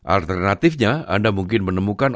alternatifnya anda mungkin menemukan